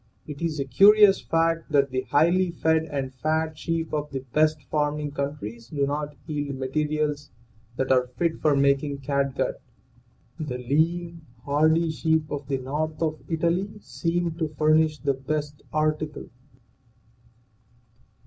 It is a curious fact that the highly fed and fat sheep of the best farming countries do not yield materials that are fit for making catgut. The lean, hardy sheep of the north of Italy seem to furnish the best article.